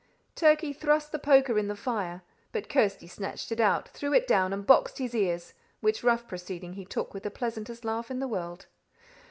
Turkey thrust the poker in the fire; but Kirsty snatched it out, threw it down, and boxed his ears, which rough proceeding he took with the pleasantest laugh in the world.